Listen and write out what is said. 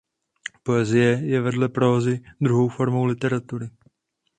Poezie je vedle prózy druhou formou literatury.